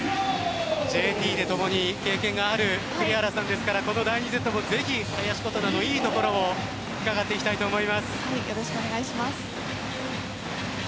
ＪＴで共に経験がある栗原さんですからこの第２セットもぜひ林琴奈のいいところをよろしくお願いします。